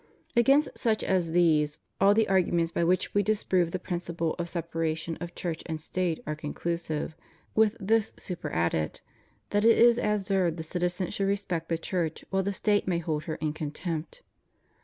Against such as these, all the arguments by which We disprove the principle of separation of Church and State are conclusive ; with this superadded, that it is absurd the citizen should respect the Church, while the State may hold her in contempt.